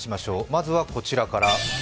まずはこちらから。